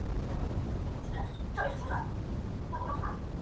派厄尼尔镇区为位在美国堪萨斯州葛兰姆县的镇区。